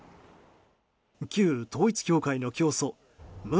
旧統一教会の教祖文